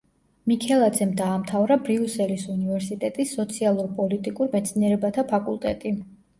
მიქელაძემ დაამთავრა ბრიუსელის უნივერსიტეტის სოციალურ-პოლიტიკურ მეცნიერებათა ფაკულტეტი.